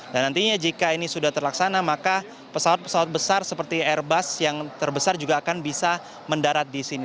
dan nantinya jika ini sudah terlaksana maka pesawat pesawat besar seperti airbus yang terbesar juga akan bisa mendarat di sini